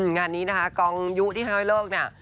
งานนี้นะคะกองยุที่ข้างบนโลกนี้